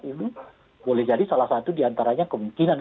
itu boleh jadi salah satu diantaranya kemungkinan